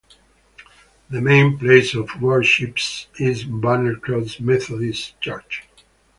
The main place of worship is Banner Cross Methodist Church.